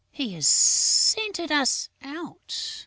He has scented us out!